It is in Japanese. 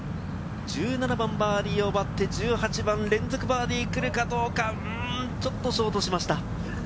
１７番バーディーを奪って１８番、連続バーディーくるかどうか、ちょっとショートしました。